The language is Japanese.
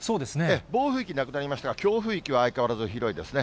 暴風域なくなりましたが、強風域は相変わらず広いですね。